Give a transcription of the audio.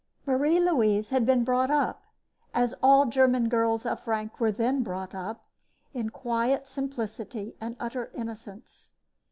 Marie Louise had been brought up, as all German girls of rank were then brought up, in quiet simplicity and utter innocence.